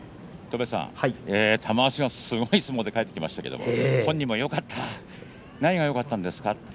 玉鷲のすごい相撲で帰ってきましたけれども本人もよかった何がよかったんですか？